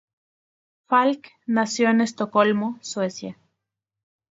Falk nació en Estocolmo, Suecia.